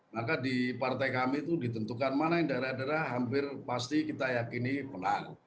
maka di partai kami itu ditentukan mana yang daerah daerah hampir pasti kita yakini menang